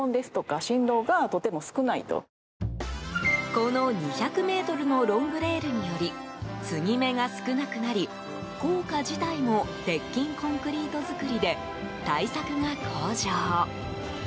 この２００ｍのロングレールにより継ぎ目が少なくなり、高架自体も鉄筋コンクリート造りで対策が向上。